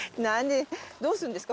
どうするんですか？